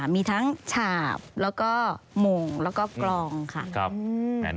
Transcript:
มีทั้งฉาบแล้วก็โมงแล้วก็กลองค่ะ